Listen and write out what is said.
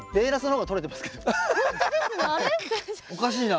おかしいな？